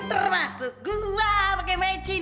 termasuk gua pakai mecin